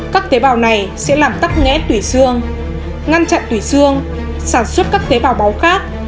các tế bào này sẽ làm tắt nghẽy xương ngăn chặn tủy xương sản xuất các tế bào máu khác